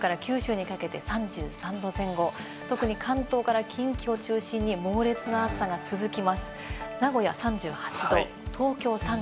きょうも東北南部から九州にかけて３３度前後、特に関東から近畿を中心に猛烈な暑さが続きます。